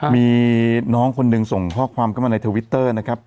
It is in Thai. มีน้องคนหนึ่งส่งข้อความเข้ามาในทวิตเตอร์นะครับ